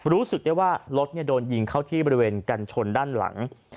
รู้สึกได้ว่ารถโดนยิงเข้าที่บริเวณกันชนด้านหลัง